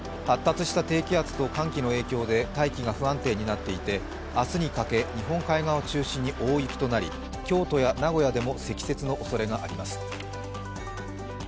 発達した低気圧と寒気の影響で大気が不安定になっていて明日にかけ日本海側を中心に大雪となり京都や名古屋でも積雪のおそれがあります。